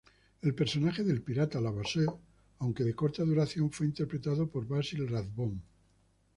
El personaje del pirata Levasseur, aunque de corta duración, fue interpretado por Basil Rathbone.